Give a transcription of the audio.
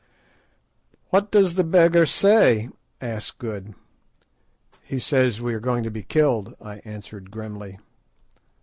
"What does that beggar say?" asked Good. "He says we are going to be killed," I answered grimly.